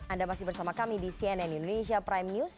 anda masih bersama kami di cnn indonesia prime news